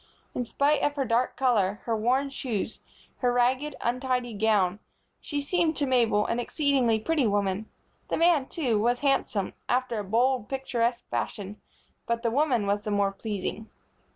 In spite of her dark color, her worn shoes, her ragged, untidy gown, she seemed to Mabel an exceedingly pretty woman. The man, too, was handsome, after a bold, picturesque fashion; but the woman was the more pleasing.